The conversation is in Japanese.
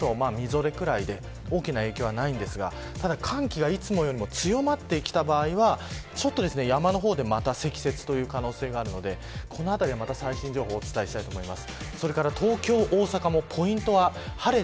５度くらいなので降ったとしてもこの気温だと、みぞれくらいで大きな影響はないんですがただ、寒気がいつもよりも強まってきた場合はちょっと山の方で、また積雪という可能性があるのでこのあたり、また最新情報をお伝えしたいと思います。